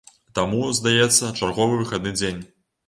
Таму, здаецца, чарговы выхадны дзень.